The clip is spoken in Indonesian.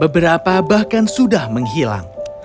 berapa bahkan sudah menghilang